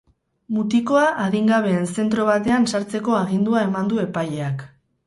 Mutikoa adingabeen zentro batean sartzeko agindua eman du epaileak.